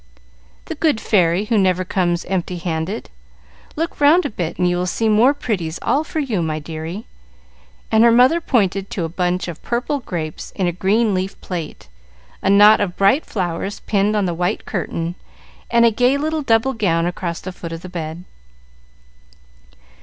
"The good fairy who never comes empty handed. Look round a bit and you will see more pretties all for you, my dearie;" and her mother pointed to a bunch of purple grapes in a green leaf plate, a knot of bright flowers pinned on the white curtain, and a gay little double gown across the foot of the bed.